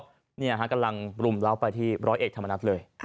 กำลังรุมเล่าไปที่ร้อยเอ็กซ์ธรรมนักเลย